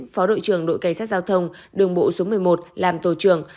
phó đội trưởng đội cảnh sát giao thông đường bộ số một mươi một làm tổ trưởng